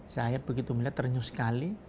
saya begitu melihat ternyuh sekali